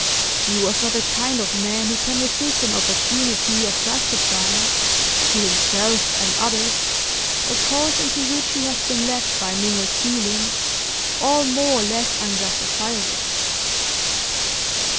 He was not the kind of man who can resist an opportunity of justifying, to himself and others, a course into which he has been led by mingled feelings, all more or less unjustifiable.